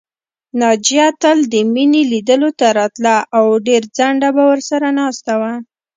ناجیه تل د مينې لیدلو ته راتله او ډېر ځنډه به ورسره ناسته وه